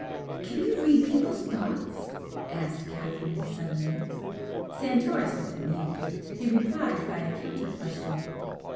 "Can you read people's thoughts?" asked Catherine, suddenly. Santoris looked amused. He replied by a counter question.